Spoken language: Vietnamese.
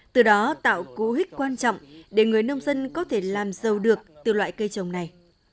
từ đó tạo cú hích quan trọng để người nông dân có thể làm giàu được từ loại cây trồng này